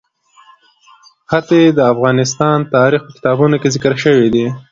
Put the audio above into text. ښتې د افغان تاریخ په کتابونو کې ذکر شوی دي.